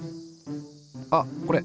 あっこれ！